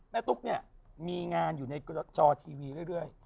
ตุ๊กเนี่ยมีงานอยู่ในจอทีวีเรื่อย